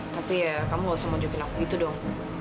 tapi ya kamu gak usah nunjukin aku gitu dong